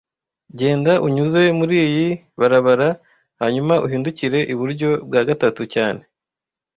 Genda unyuze muriyi barabara hanyuma uhindukire iburyo bwa gatatu cyane